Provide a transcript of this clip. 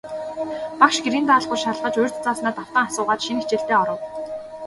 Багш гэрийн даалгавар шалгаж, урьд зааснаа давтан асуугаад, шинэ хичээлдээ оров.